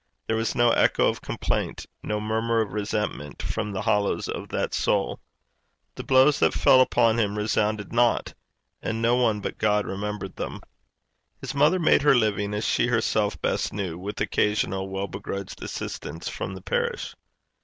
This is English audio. There was no echo of complaint, no murmur of resentment from the hollows of that soul. The blows that fell upon him resounded not, and no one but God remembered them. His mother made her living as she herself best knew, with occasional well begrudged assistance from the parish.